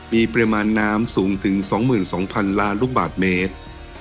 มีปริมาณน้ำสูงถึง๒๒๐๐๐ล้านลูกบาทเมตร